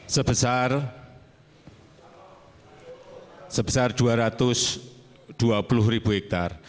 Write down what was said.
sebesar dua ratus dua puluh ribu hektare